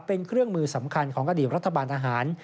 เป็นเครื่องมือสำคัญของอดีตรัฐบาลทหาร